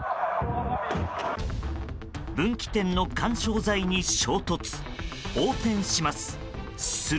分岐点の緩衝材に衝突横転します。